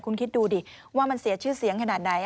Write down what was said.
คุณคิดดูดิว่ามันเสียชื่อเสียงขนาดไหน